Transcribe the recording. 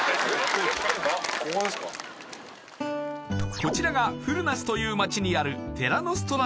こちらがフルナスという町にある